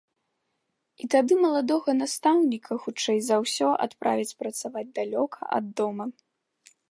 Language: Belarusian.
І тады маладога настаўніка, хутчэй за ўсё, адправяць працаваць далёка ад дома.